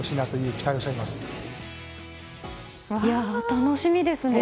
楽しみですね。